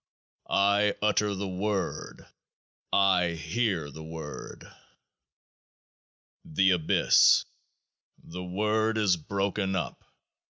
I utter The Word. I hear The Word. The Abyss The Word is broken up.